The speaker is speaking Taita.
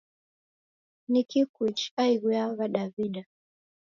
Nikii Kuichi aighu ya wadawida